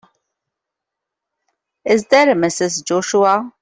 Is there a Mrs. Joshua?